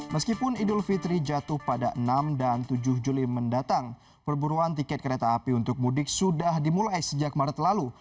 meskipun idul fitri jatuh pada enam dan tujuh juli mendatang perburuan tiket kereta api untuk mudik sudah dimulai sejak maret lalu